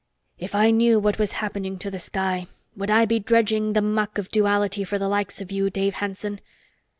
"If I knew what was happening to the sky, would I be dredging the muck of Duality for the likes of you, Dave Hanson!"